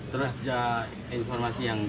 terus informasi yang